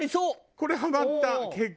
これハマった結構。